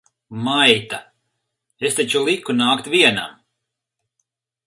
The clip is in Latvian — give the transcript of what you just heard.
Maita! Es taču liku nākt vienam!